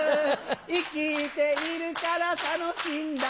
生きているから楽しいんだ